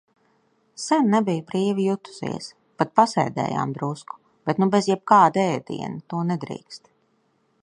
Sen nebiju brīvi jutusies, pat pasēdējām drusku, bet nu bez jebkāda ēdiena, to nedrīkst.